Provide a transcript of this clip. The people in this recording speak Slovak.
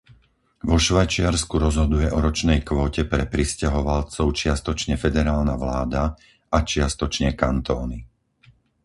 Vo Švajčiarsku rozhoduje o ročnej kvóte pre prisťahovalcov čiastočne federálna vláda, a čiastočne kantóny.